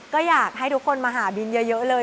ก็อยากให้ทุกคนมาหาบินเยอะเลย